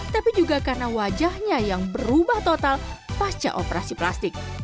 tapi juga karena wajahnya yang berubah total pasca operasi plastik